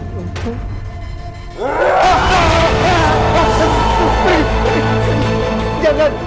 jangan jangan jangan